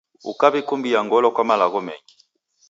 Ukaw'ikumbia ngolo kwa malagho mengi.